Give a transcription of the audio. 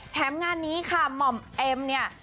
งานนี้ค่ะหม่อมเอ็มเนี่ย